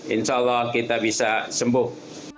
insya allah kita bisa sembuh